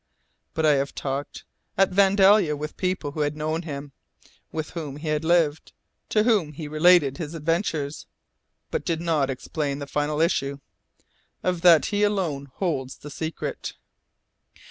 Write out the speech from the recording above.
But I have talked, at Vandalia with people who had known him, with whom he lived, to whom he related his adventures, but did not explain the final issue. Of that he alone holds the secret."